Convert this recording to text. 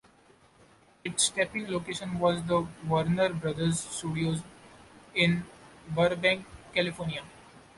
Its taping location was the Warner Brothers Studios in Burbank, California.